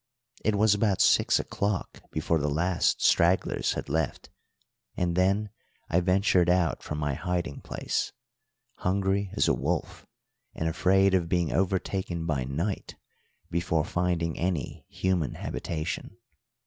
It was about six o'clock before the last stragglers had left, and then I ventured out from my hiding place, hungry as a wolf and afraid of being overtaken by night before finding any human habitation.